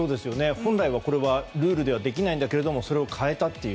本来これはルールではできないんだけどそれを変えたという。